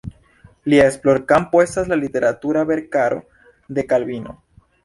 Lia esplorkampo estas la literatura verkaro de Kalvino.